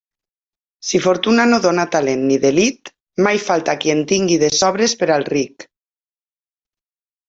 Si fortuna no dóna talent ni delit, mai falta qui en tingui de sobres per al ric.